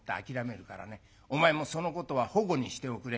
お前もそのことはほごにしておくれ。